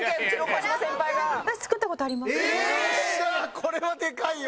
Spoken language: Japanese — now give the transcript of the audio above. これはでかいよ。